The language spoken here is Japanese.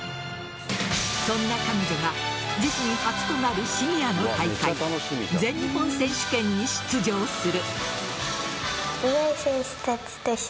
そんな彼女が自身初となるシニアの大会全日本選手権に出場する。